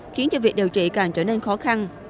khiến cho việc điều trị càng trở nên khó khăn